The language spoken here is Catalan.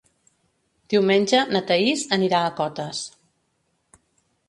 Diumenge na Thaís anirà a Cotes.